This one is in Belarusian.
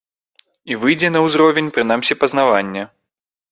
І выйдзе на ўзровень прынамсі пазнавання.